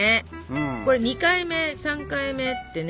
これ２回目３回目ってね